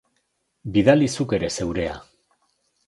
Bidali zuk ere zurea!